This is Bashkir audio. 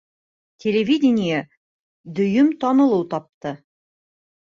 Телевидение дөйөм танылыу тапты